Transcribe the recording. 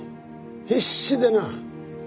必死でな。